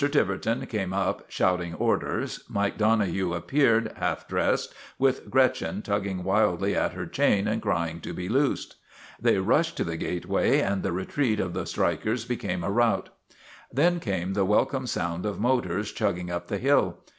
Tiverton came up, shouting orders. Mike Donohue appeared, half dressed, with Gretchen tugging wildly at her chain and crying to be loosed. They rushed to the gate way and the retreat of the strikers became a rout. Then came the welcome sound of motors chugging up the hill.